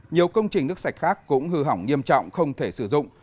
nhiều công trình nước sạch khác cũng hư hỏng nghiêm trọng không thể sử dụng